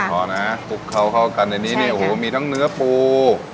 พอนะคลุกเข้ากันในนี้มีทั้งเนื้อปู